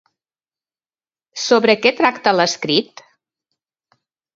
Sobre què tracta l'escrit?